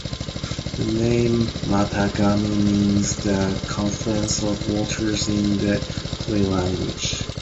The name Matagami means "the confluence of waters" in the Cree language.